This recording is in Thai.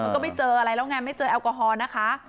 ก็ไม่เจออะไรแล้วไงไม่เจอแอลกอฮอล์นะคะ